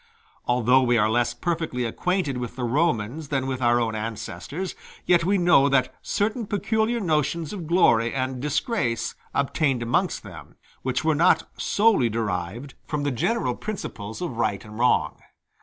Although we are less perfectly acquainted with the Romans than with our own ancestors, yet we know that certain peculiar notions of glory and disgrace obtained amongst them, which were not solely derived from the general principles of right and wrong.